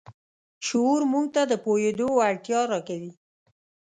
شعور موږ ته د پوهېدو وړتیا راکوي.